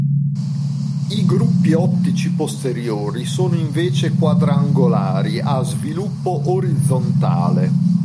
I gruppi ottici posteriori sono invece quadrangolari a sviluppo orizzontale.